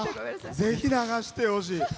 ぜひ、流してほしい。